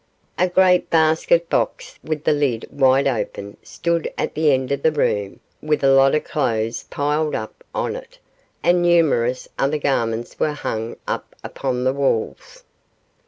A great basket box with the lid wide open stood at the end of the room, with a lot of clothes piled up on it, and numerous other garments were hung up upon the walls.